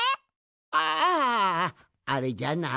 ああれじゃな。